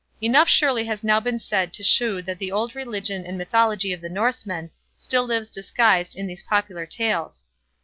Enough surely has now been said to shew that the old religion and mythology of the Norseman still lives disguised in these popular tales.